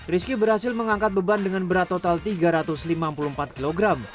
rizky berhasil mengangkat beban dengan berat total tiga ratus lima puluh empat kg